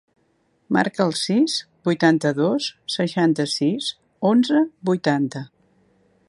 Marca el sis, vuitanta-dos, seixanta-sis, onze, vuitanta.